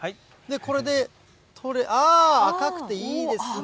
これで取れ、あー、赤くていいですね。